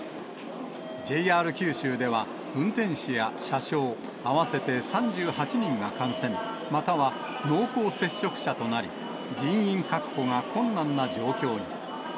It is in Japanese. ＪＲ九州では、運転士や車掌、合わせて３８人が感染、または濃厚接触者となり、人員確保が困難な状況に。